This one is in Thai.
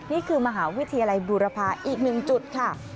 นี่คือมหาวิทยาลัยบูรพาอีกหนึ่งจุดค่ะ